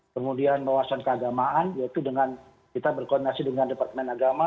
kemudian wawasan keagamaan yaitu dengan kita berkoordinasi dengan departemen agama